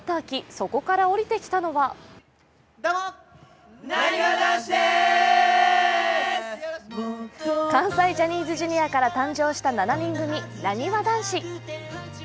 そこから降りてきたのは関西ジャニーズＪｒ．から誕生した７人組、なにわ男子。